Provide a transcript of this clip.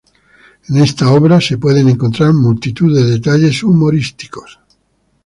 En esta obra se pueden encontrar multitud de detalles humorísticos.